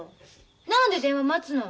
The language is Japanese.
何で電話待つの。